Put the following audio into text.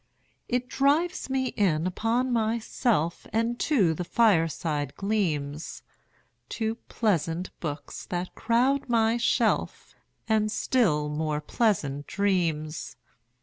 It drives me in upon myself 5 And to the fireside gleams, To pleasant books that crowd my shelf, And still more pleasant dreams.